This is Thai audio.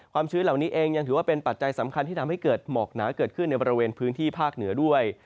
ชื้นเหล่านี้เองยังถือว่าเป็นปัจจัยสำคัญที่ทำให้เกิดหมอกหนาเกิดขึ้นในบริเวณพื้นที่ภาคเหนือด้วย